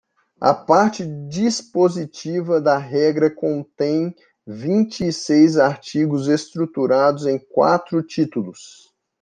A parte dispositiva da regra contém vinte e seis artigos estruturados em quatro títulos.